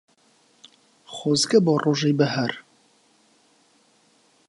خۆزگە بەو ڕۆژەی بەهار